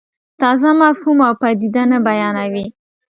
تازه مفهوم او پدیده نه بیانوي.